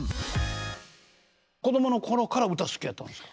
子供の頃から歌好きやったんですか？